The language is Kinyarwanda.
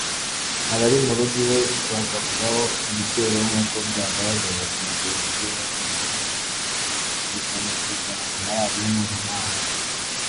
abari mu rugo iwe bagabwaho igitero nk’uko byagaragaye ku mateleviziyo yo mu Burundi bikanumvikana ku maradiyo mpuzamahanga